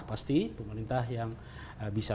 pasti pemerintah yang bisa